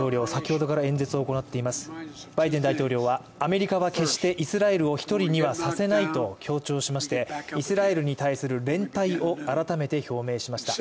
バイデン大統領はアメリカは決してイスラエルを一人にはさせないと強調しましてイスラエルに対する連帯を改めて表明しました。